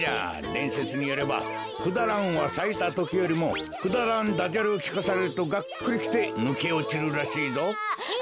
でんせつによればクダランはさいたときよりもくだらんダジャレをきかされるとがっくりきてぬけおちるらしいぞ。